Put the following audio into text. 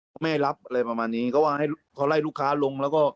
เขาไล่ลูกค้าลงแล้วก็